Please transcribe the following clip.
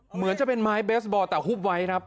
เหมือนจะเป็นไม้เบสบอลแต่ฮุบไว้ครับ